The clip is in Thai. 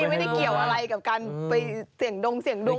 ไม่ได้เกี่ยวอะไรกับการไปเสี่ยงดงเสี่ยงดวง